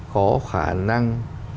có khả năng